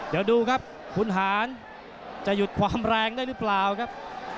เดี๋ยวดูครับคุณหารจะหยุดความแรงได้หรือเปล่าครับ